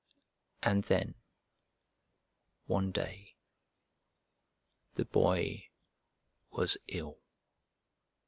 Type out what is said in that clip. And then, one day, the Boy was ill.